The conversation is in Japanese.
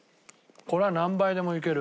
これは何杯でもいける。